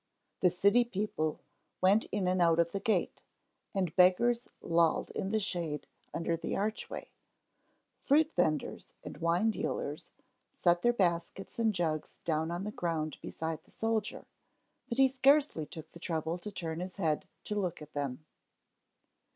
The city people went in and out of the gate and beggars lolled in the shade under the archway, fruit venders and wine dealers set their baskets and jugs down on the ground beside the soldier, but he scarcely took the trouble to turn his head to look at them.